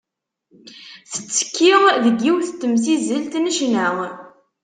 Tettekki deg yiwet n temzizelt n ccna.